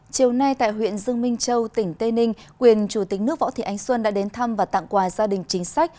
chiều nay tại huyện dương minh châu tỉnh tây ninh quyền chủ tịch nước võ thị ánh xuân đã đến thăm và tặng quà gia đình chính sách